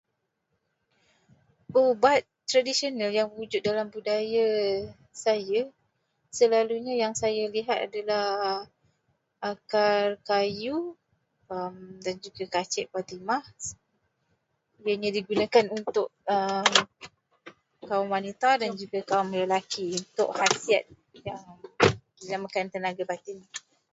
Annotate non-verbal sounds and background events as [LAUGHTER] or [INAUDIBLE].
Ubat tradisional yang wujud dalam budaya saya, selalunya yang saya lihat adalah akar kayu dan juga kacip Fatimah. Ia digunakan untuk [NOISE] kaum wanita dan juga kaum lelaki untuk [NOISE] khasiat yang [NOISE] dinamakan tenaga batin.